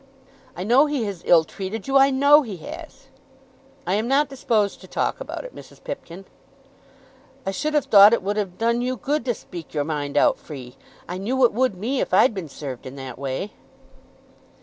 "I know he has ill treated you. I know he has." "I am not disposed to talk about it, Mrs. Pipkin." "I should have thought it would have done you good to speak your mind out free. I know it would me if I'd been served in that way."